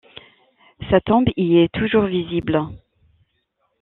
Sa tombe y est toujours visible.